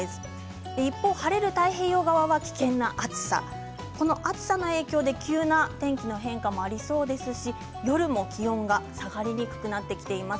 一方、晴れる太平洋側は危険な暑さ暑さの影響で急な天気の変化もありそうですし夜も気温が下がりにくくなっています。